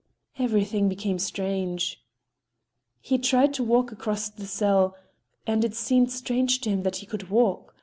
Everything became strange. He tried to walk across the cell—and it seemed strange to him that he could walk.